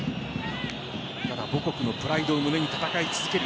ただ、母国のプライドを胸に戦い続ける。